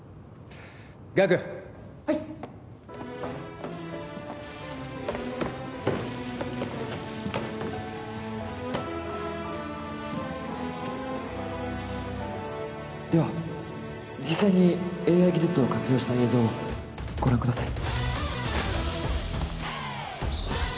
ガクはいっでは実際にＡＩ技術を活用した映像をご覧ください